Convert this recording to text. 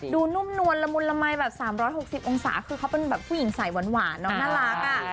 นุ่มนวลละมุนละมัยแบบ๓๖๐องศาคือเขาเป็นแบบผู้หญิงสายหวานเนาะน่ารัก